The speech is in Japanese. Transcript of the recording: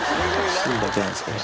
スーだけなんですけどね。